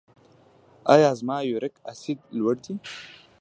ایا زما یوریک اسید لوړ دی؟